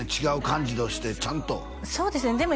違う感じとしてちゃんとそうですね